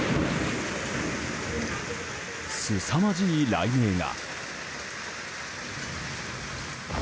すさまじい雷鳴が。